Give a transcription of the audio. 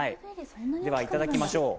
では、いただきましょう。